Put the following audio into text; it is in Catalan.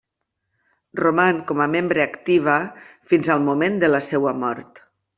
Roman com a membre activa fins al moment de la seva mort.